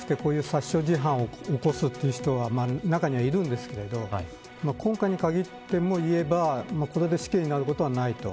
死刑になりたくてこういう殺傷事件を起こす人が中にはいるんですけど今回に限って言えばこれで死刑になることはないと。